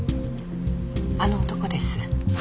あの男です。